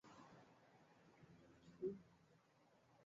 uchafu kama huo unaweza kushuhudiwa kifuani au ubavuni